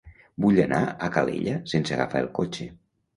Vull anar a Calella sense agafar el cotxe.